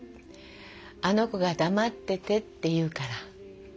あの子が黙っててって言うから。